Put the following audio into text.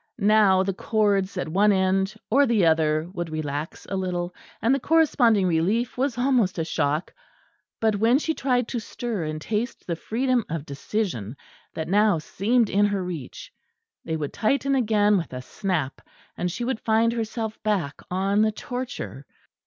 Now the cords at one end or the other would relax a little, and the corresponding relief was almost a shock; but when she tried to stir and taste the freedom of decision that now seemed in her reach, they would tighten again with a snap; and she would find herself back on the torture.